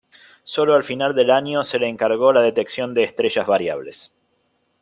Solo al final del año se le encargó la detección de estrellas variables.